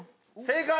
「正解」。